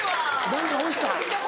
何か押した？